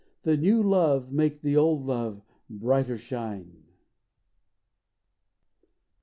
— The new love make the old love brighter shine.